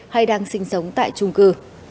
hay đang sinh sống tại trung cư